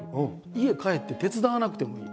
家帰って手伝わなくてもいい。